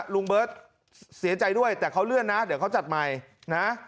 ลุงเบิร์ตเสียใจด้วยแต่เขาเลื่อนนะเดี๋ยวเขาจัดใหม่นะ